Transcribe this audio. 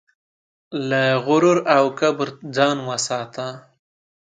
له غرور او کبره ځان وساته.